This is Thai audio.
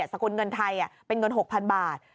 สกุลเงินไทยกระเป๋าปืน๖๐๐๐บาท